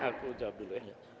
aku jawab dulu